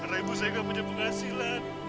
karena ibu saya gak punya penghasilan